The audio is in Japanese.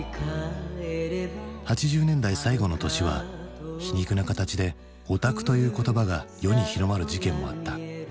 ８０年代最後の年は皮肉な形で「おたく」という言葉が世に広まる事件もあった。